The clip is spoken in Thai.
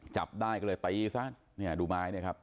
จับได้ก็เลยตีซะเนี่ยดูไม้เนี่ยครับ